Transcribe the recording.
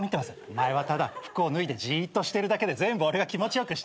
お前はただ服を脱いでじーっとしてるだけで全部俺が気持ち良くしてあげるから。